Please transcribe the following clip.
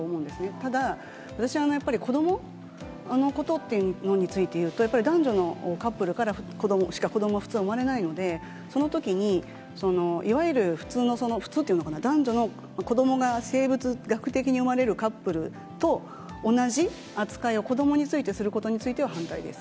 ただ、私はやっぱり子どものことっていうのについて言うと、やっぱり、男女のカップルからしか子ども、普通産まれないので、そのときに、いわゆる、普通の、普通っていうのかな、男女の子どもが生物学的に産まれるカップルと、同じ扱いを、子どもについてすることについては反対です。